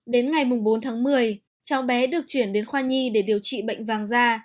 đến ngày bốn tháng một mươi cháu bé được chuyển đến khoa nhi để điều trị bệnh vàng da